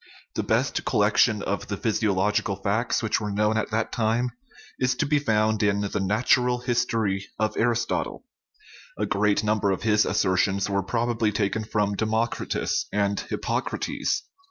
The best collection of the physiological facts which were known at that time is to be found in the Natural His tory of Aristotle; a great number of his assertions were probably taken from Democritus and Hippocrates.